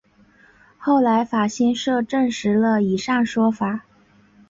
后来法新社证实了以上说法。